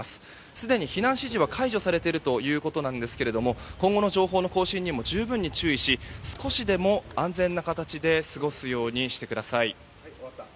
すでに避難指示は解除されているということですが今後の情報の更新にも十分に注意し少しでも安全な形で過ごすようにしてください。